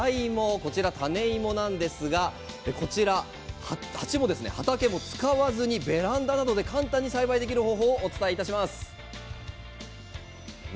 こちらは種芋なんですが鉢も畑も使わずにベランダで育てられる簡単に栽培できる方法をご紹介します。